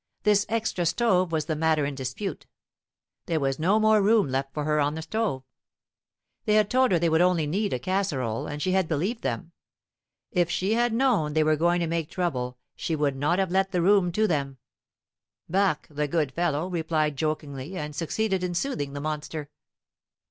This extra stove was the matter in dispute. There was no more room left for her on her stove. They had told her they would only need a casserole, and she had believed them. If she had known they were going to make trouble she would not have let the room to them. Barque, the good fellow, replied jokingly, and succeeded in soothing the monster.